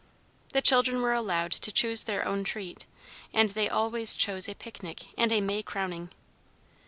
The children were allowed to choose their own treat, and they always chose a picnic and a May crowning.